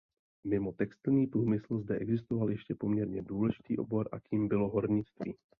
Mimo textilní průmysl zde existoval ještě poměrně důležitý obor a tím bylo hornictví.